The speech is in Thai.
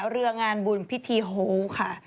เรืองานบุญพิธีโฮค่ะ